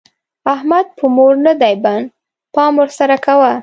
احمد په مور نه دی بند؛ پام ور سره کوه.